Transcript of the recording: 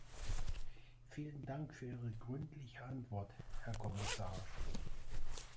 Vielen Dank für Ihre gründliche Antwort, Herr Kommissar.